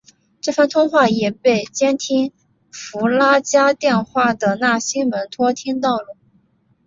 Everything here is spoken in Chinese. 这番通话也被监听弗拉加电话的纳西门托听到了。